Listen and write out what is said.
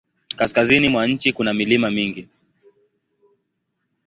Kaskazini mwa nchi kuna milima mingi.